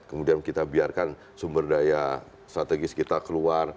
kemudian kita biarkan sumber daya strategis kita keluar